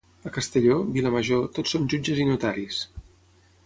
A Castelló, vila major, tot són jutges i notaris.